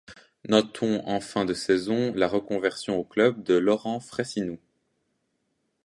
Notons en fin de saison la reconversion au club de Laurent Frayssinous.